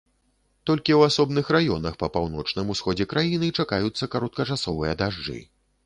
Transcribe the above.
Толькі ў асобных раёнах па паўночным усходзе краіны чакаюцца кароткачасовыя дажджы.